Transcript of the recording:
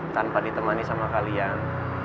tanpa ditemani sama kalian